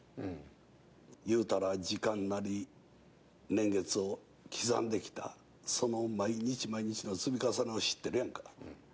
いうたら時間なり年月を刻んできたその毎日毎日の積み重ねを知ってるやんか。